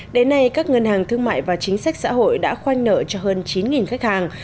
đến nay các ngân hàng thương mại và chính sách xã hội đã khoanh nợ cho hơn chín khách hàng